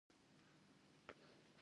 دوی د پارتیا له پاچاهانو سره وجنګیدل